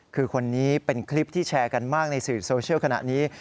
คือคนนี้เป็นคลิปที่แชร์กันมากในสื่อโซเชียลขณะนี้